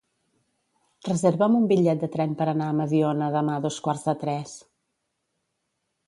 Reserva'm un bitllet de tren per anar a Mediona demà a dos quarts de tres.